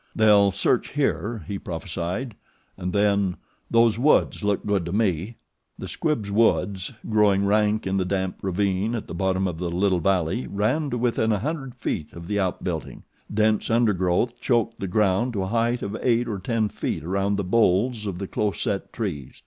"They'll search here," he prophesied, and then; "Those woods look good to me." The Squibbs' woods, growing rank in the damp ravine at the bottom of the little valley, ran to within a hundred feet of the out building. Dense undergrowth choked the ground to a height of eight or ten feet around the boles of the close set trees.